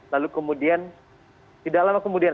lalu kemudian tidak lama kemudian